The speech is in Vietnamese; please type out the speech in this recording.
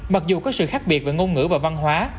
mặc dù có sự khác biệt về ngôn ngữ và văn hóa